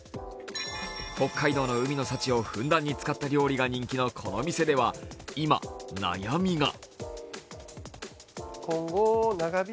北海道の海の幸をふんだんに使ったこの店では今、悩みが。